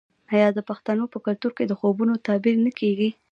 آیا د پښتنو په کلتور کې د خوبونو تعبیر نه کیږي؟